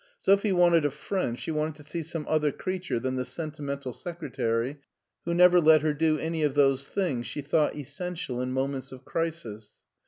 Sophie wanted a friend, she wanted to see some other creature than the sentimental secretary, who never let her do any of those things she thought essential in moments of crisis.